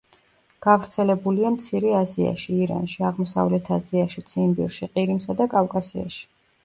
გავრცელებულია მცირე აზიაში, ირანში, აღმოსავლეთ აზიაში, ციმბირში, ყირიმსა და კავკასიაში.